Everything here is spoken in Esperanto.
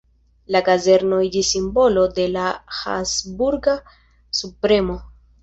La kazerno iĝis simbolo de la Habsburga subpremo.